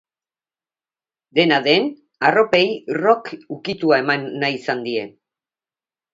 Dena den, arropei rock ukitua eman nahi izan die.